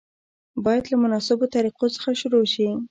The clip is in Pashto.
باید له مناسبو طریقو څخه شروع شي.